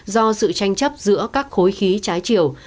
do sự tranh chấp giữa các khối khí trái chiều